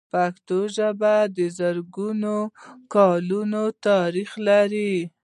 پښتو ژبه د زرګونو کلونو تاریخ لري.